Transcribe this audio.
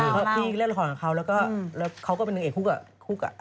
เพราะพี่เล่ะละครของเขาแล้วเขาก็เป็นหนึ่งเอกคู่กับคุม